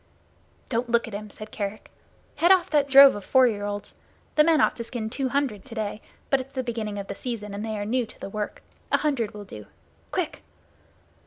"Don't look at him," said Kerick. "Head off that drove of four year olds. The men ought to skin two hundred to day, but it's the beginning of the season and they are new to the work. A hundred will do. Quick!"